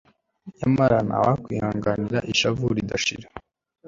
nyamara nta wakwihanganira ishavu ridashira